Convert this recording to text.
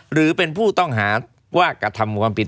หรือเป็นผู้ต้องหาว่ากระทำความผิด